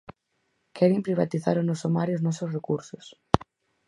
Queren privatizar o noso mar e os nosos recursos.